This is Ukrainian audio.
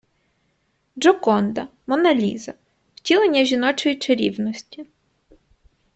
Джоконда, Монна Ліза - втілення жіночої чарівності